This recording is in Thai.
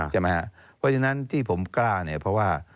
เพราะฉะนั้นที่ผมกล้าเนี่ยเพราะว่า